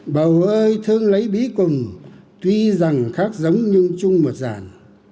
bầu ơi thương lấy bí cùng tuy rằng khác giống nhưng chung một giản